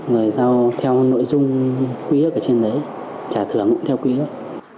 rồi sau theo nội dung quý ước ở trên đấy trả thưởng cũng theo quý ước